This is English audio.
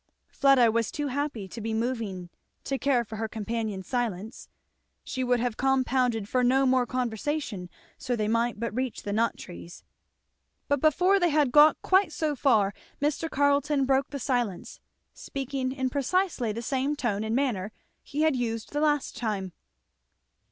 Fleda was too happy to be moving to care for her companion's silence; she would have compounded for no more conversation so they might but reach the nut trees. But before they had got quite so far Mr. Carleton broke the silence, speaking in precisely the same tone and manner he had used the last time.